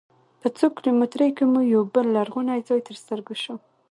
په څو کیلومترۍ کې مو یوه بل لرغونی ځاې تر سترګو سو.